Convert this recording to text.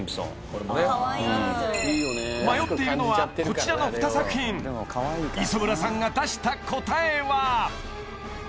これもね迷っているのはこちらの２作品磯村さんが出した答えは？